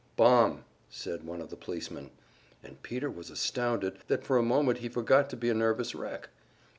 "Bomb," said one of the policemen; and Peter was astounded that for a moment he forgot to be a nervous wreck.